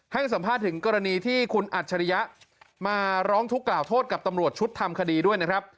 ให้สัมภาษณ์ถึงกรณีที่คุณอัจฉริยะมาร้องทุกข์กล่าวโทษกับตำรวจชุดทำคดีด้วยนะครับ